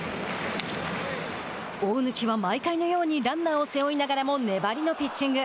大貫は毎回のようにランナーを背負いながらも粘りのピッチング。